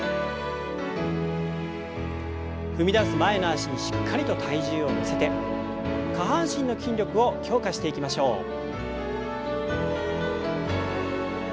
踏み出す前の脚にしっかりと体重を乗せて下半身の筋力を強化していきましょう。